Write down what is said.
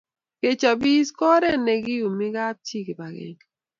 Kechopis ko oret keiumi kapchi kipakenge